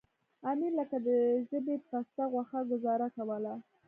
امیر لکه د ژبې پسته غوښه ګوزاره کوله.